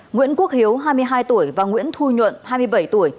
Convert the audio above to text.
nguyễn quốc hiếu hai mươi hai tuổi và nguyễn thu nhuận hai mươi bảy tuổi